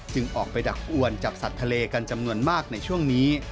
ออกไปดักอวนจับสัตว์ทะเลกันจำนวนมากในช่วงนี้